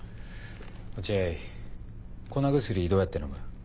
落合粉薬どうやって飲む？